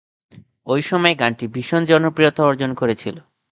ঐ সময়ে গানটি ভীষণ জনপ্রিয়তা অর্জন করেছিল।